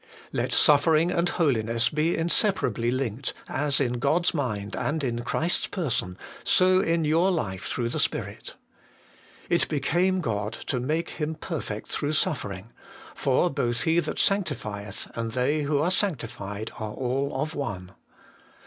3. Let suffering and holiness be inseparably linked, as In God's mind and in Christ's person, so in your life through the Spirit. 'It became God to make Him perfect through suffering ; for both He that sanctifieth and they who are sanctified are all of one.'